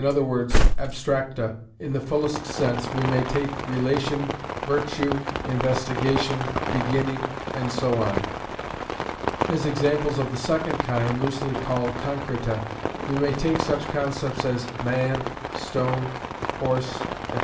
e._, abstracta in the fullest sense, we may take "relation," "virtue," "investigation," "beginning," and so on. As examples of the second kind, loosely called concreta, we may take such concepts as "man," "stone," "horse," &c.